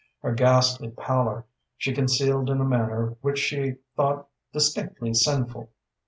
Her ghastly pallor she concealed in a manner which she thought distinctly sinful.